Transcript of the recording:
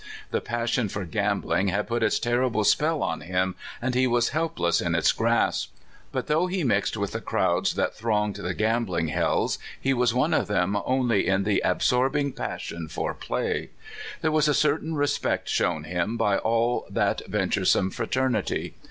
The passion for gambling had put its terrible spell on him, and he was helpless in its grasp. But though he mixed with the crowds J;hat thronged the gambling hells, he was one of them only in the absorbing passion for play. There was a certain respect shown him by all that venturesome frater nity.